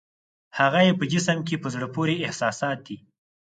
هغه یې په جسم کې په زړه پورې احساسات دي.